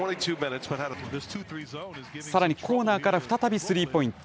さらにコーナーから再び、スリーポイント。